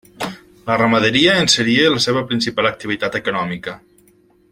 La ramaderia en seria la seva principal activitat econòmica.